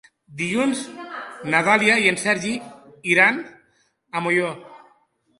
Dilluns na Dàlia i en Sergi iran a Molló.